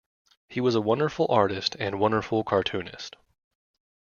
He was a wonderful artist and a wonderful cartoonist.